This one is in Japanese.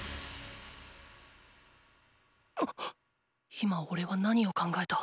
今おれは何を考えた。